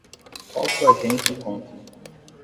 Qual sua agência e conta?